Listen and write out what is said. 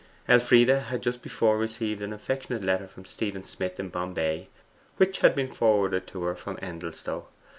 Elfride had just before received an affectionate letter from Stephen Smith in Bombay, which had been forwarded to her from Endelstow.